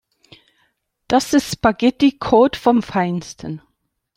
Das ist Spaghetticode vom Feinsten.